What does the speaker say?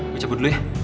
gue cebut dulu ya